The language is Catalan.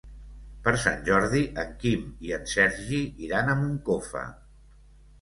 Per Sant Jordi en Quim i en Sergi iran a Moncofa.